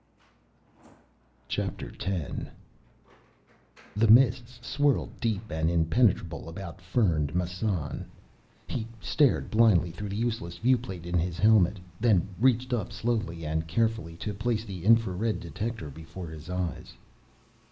X The mists swirled deep and impenetrable about Fernd Massan. He stared blindly through the useless viewplate in his helmet, then reached up slowly and carefully to place the infrared detector before his eyes.